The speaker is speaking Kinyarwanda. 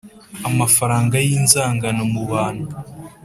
Amafaranga yi nzangano mu bantu.